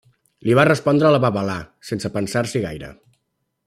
Li va respondre a la babalà, sense pensar-s'hi gaire.